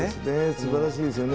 すばらしいですよね。